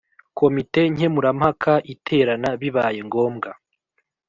Komite nkemurampaka iterana bibaye ngombwa